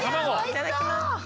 いただきます。